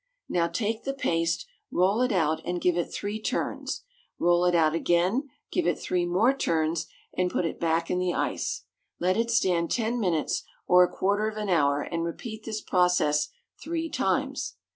Now take the paste, roll it out, and give it three turns; roll it out again, give it three more turns, and put it back in the ice; let it stand ten minutes or a quarter of an hour, and repeat this process three times.